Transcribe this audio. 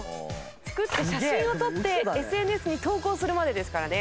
作って写真を撮ってＳＮＳに投稿するまでですからね。